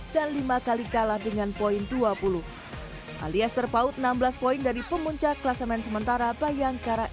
dan lima kali kalah dengan poin dua puluh alias terpaut enam belas poin dari pemunca klasemen sementara bayangkara